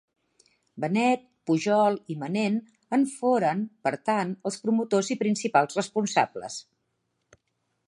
Benet, Pujol i Manent en foren, per tant, els promotors i principals responsables.